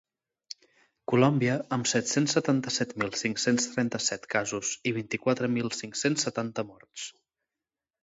Colòmbia, amb set-cents setanta-set mil cinc-cents trenta-set casos i vint-i-quatre mil cinc-cents setanta morts.